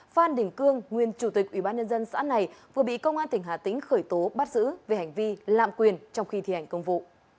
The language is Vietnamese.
phan đình cương nguyên chủ tịch ủy ban nhân dân xã này vừa bị công an tỉnh hà tĩnh khởi tố bắt giữ về hành vi lạm quyền trong khi thi hành công vụ